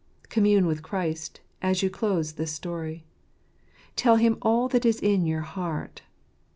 Commune with Christ as you close this story. Tell Him all that is in your heart.